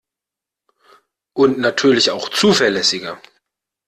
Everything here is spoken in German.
Und natürlich auch zuverlässiger.